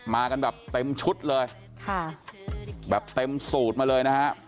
มากันแบบเต็มชุดเลยค่ะแบบเต็มสูตรมาเลยนะฮะ